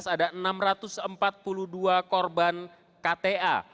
ada enam ratus empat puluh dua korban kta